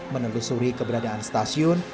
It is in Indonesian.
menelusuri keberadaan stasiun